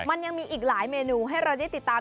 มันยังมีอีกหลายเมนูให้เราได้ติดตาม